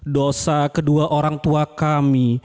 dosa kedua orang tua kami